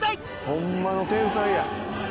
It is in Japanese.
ホンマの天才や。